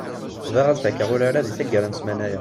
Bɣiɣ ad fakkeɣ urar-a di taggara n ssmana-ya.